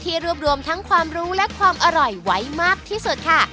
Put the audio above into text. รวบรวมทั้งความรู้และความอร่อยไว้มากที่สุดค่ะ